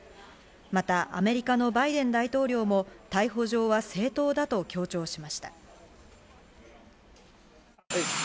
またアメリカのバイデン大統領も逮捕状は正当だと強調しました。